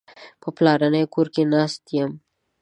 په پلرني کور کې ناست یم.